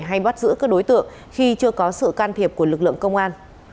hay bắt giữ các đối tượng khi chưa có sự can thiệp của lực lượng công an